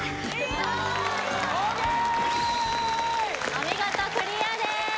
お見事クリアです